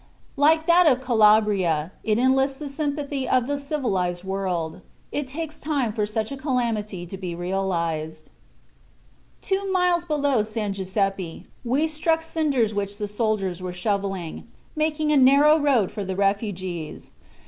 Like that of Calabria, it enlists the sympathy of the civilized world. It takes time for such a calamity to be realized. "Two miles below San Giuseppe we struck cinders which the soldiers were shoveling, making a narrow road for the refugees.